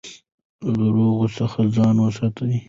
د درواغو څخه ځان وساتئ.